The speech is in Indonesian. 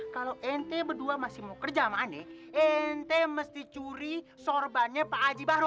kalau ente berdua masih mau kerja sama ane ente mesti curi sorbannya pak adi barul